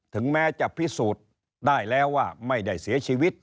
ถึงแม้จะพิสูจน์ได้แล้วว่าไม่ได้เสียชีวิต